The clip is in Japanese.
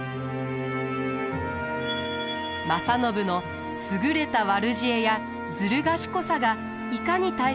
正信の優れた悪知恵やずる賢さがいかに大切か